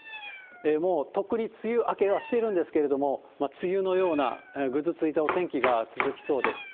もう、とっくに梅雨明けはしているんですけれども、梅雨のようなぐずついたお天気が続きそうです。